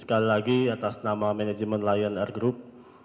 sekali lagi atas nama manajemen lion air group